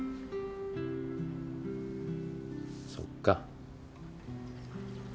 そっか。